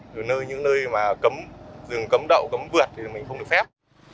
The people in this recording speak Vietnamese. rồi nơi những nơi mà cấm rừng cấm đậu cấm vượt thì mình không được phép